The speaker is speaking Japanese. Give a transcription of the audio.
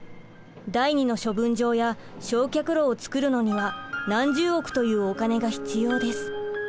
第２の処分場や焼却炉を造るのには何十億というお金が必要です。